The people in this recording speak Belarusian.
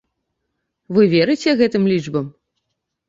Вы верыце гэтым лічбам?